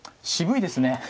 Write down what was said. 渋いですね。